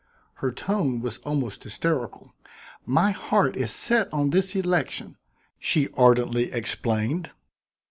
Her tone was almost hysterical. "My heart is set on this election," she ardently explained.